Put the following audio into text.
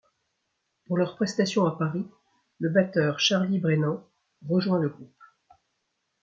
Pour leur prestation à Paris, le batteur Charlie Brennan rejoint le groupe.